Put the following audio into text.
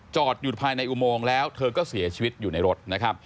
อยู่ภายในอุโมงแล้วเธอก็เสียชีวิตอยู่ในรถนะครับ